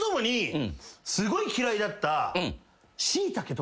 すごい嫌いだった。